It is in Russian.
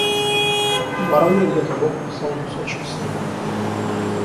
Вороне где-то бог послал кусочек сыру;